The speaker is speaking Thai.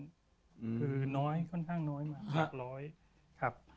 คือน้อยค่อนข้างน้อยมาก๘๐๐